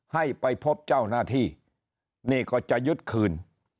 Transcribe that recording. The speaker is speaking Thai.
ให้ไปพบเจ้าหน้าที่นี่ก็จะยึดคืน